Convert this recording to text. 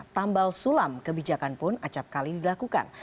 tambal sulam kebijakan pun acapkali dilakukan